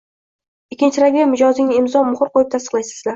ikkinchi tarafiga mijozingiz imzo, muhr qo‘yib tasdiqlaysizlar.